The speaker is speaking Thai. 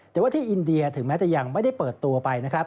แต่ว่าที่อินเดียถึงแม้จะยังไม่ได้เปิดตัวไปนะครับ